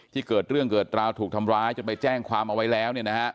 เกิดเรื่องเกิดราวถูกทำร้ายจนไปแจ้งความเอาไว้แล้ว